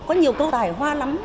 có nhiều câu tài hoa lắm